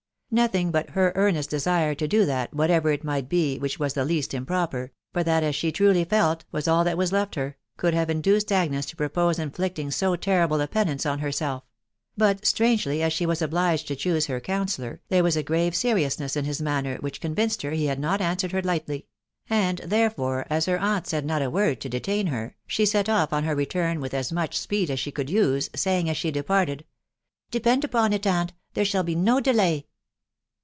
Nothing but her earnest desire to do that, states S^ton^x be, which was the least improper, (fox taafc, as. 3a& \x\&* H3&, p 4» 216 THE WIDOW BARNABY. was all that was left her,) could have induced Agnes to pro pose inflicting so terrible a penance on herself; but strangely as she was obliged to choose her counsellor, there was a gran seriousness in his manner which convinced her he had not answered her lightly ; and therefore, as her aunt said not a word to detain her, she set off on her return with as much speed as she could use, Baying as she departed, " Depend upon it, aunt, there shall be no delay."